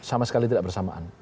sama sekali tidak bersamaan